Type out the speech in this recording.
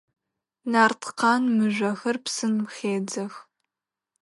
Нарткъан мыжъохэр псым хедзэх.